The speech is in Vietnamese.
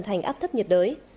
thành áp thấp nhiệt đới